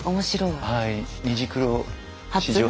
はい。